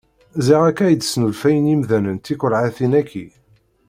Ziɣ akka i d-snulfuyen yimdanen tiqulhatin-aki.